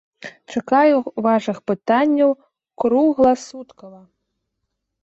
Чакаю вашых пытанняў кругласуткава!